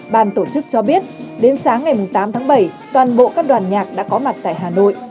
ban tổ chức cho biết đến sáng ngày tám tháng bảy toàn bộ các đoàn nhạc đã có mặt tại hà nội